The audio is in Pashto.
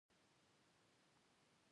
آیا د لمر ګل څخه د تیلو ایستل اسانه دي؟